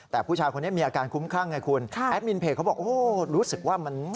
แต่ผู้ชายคนนี้มีอาการคุ้มข้างใช่ไหมคุณโอ้โหรู้สึกว่ามัน